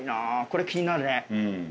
これ気になるね。